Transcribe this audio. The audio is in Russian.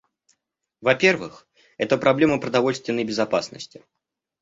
Во-первых, это проблема продовольственной безопасности.